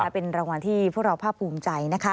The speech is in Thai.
เป็นรางวัลที่พวกเราภาคภูมิใจ